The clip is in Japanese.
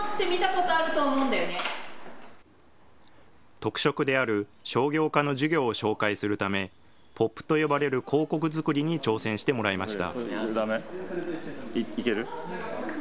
特色である商業科の授業を紹介するため、ＰＯＰと呼ばれる広告作りに挑戦してもらいました。